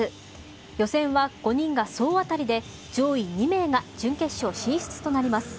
予選は５人が総当たりで上位２名が準決勝進出となります。